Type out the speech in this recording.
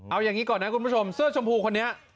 เอาอย่างนี้ก่อนนะคุณผู้ชมเสื้อชมพูคนนี้